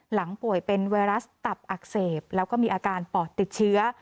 ป่วยเป็นไวรัสตับอักเสบแล้วก็มีอาการปอดติดเชื้อ